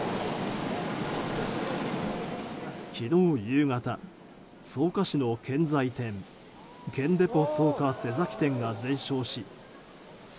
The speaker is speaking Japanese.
昨日夕方、草加市の建材店建デポ草加瀬崎店が全焼し１８６７